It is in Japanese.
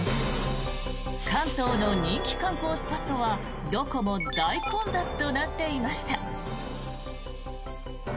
関東の人気観光スポットはどこも大混雑となっていました。